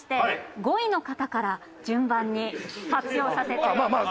５位の方から順番に発表させて頂きます。